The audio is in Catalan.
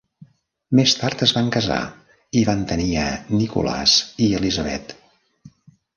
Més tard, es van casar i van tenir a Nicolas i Elisabeth.